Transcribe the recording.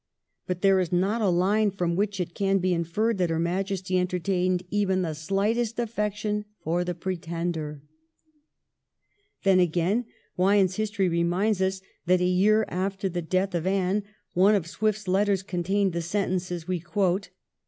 But there is not a line from which it can be inferred that Her Majesty entertained even the slightest affection for the Pretender.' Then, again, Wyon's history reminds us that a year after the death of Anne one of Swift's letters contained the sentences we quote.